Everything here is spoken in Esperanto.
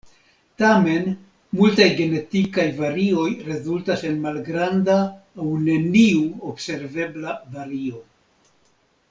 Tamen, multaj genetikaj varioj rezultas en malgranda aŭ neniu observebla vario.